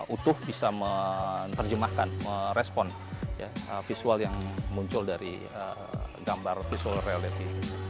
utuh bisa menerjemahkan merespon visual yang muncul dari gambar visual reality